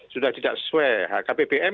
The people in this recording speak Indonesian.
sudah tidak sesuai harga bbm